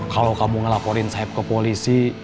kalau kamu ngelaporin saya ke polisi